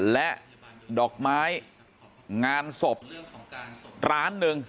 และดอกไม้งานศพ๑๐๐๐๐๐๐บาท